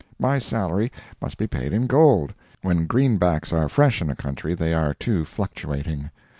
My salary must be paid in gold; when greenbacks are fresh in a country, they are too fluctuating.